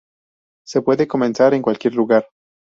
Se puede comenzar en cualquier lugar.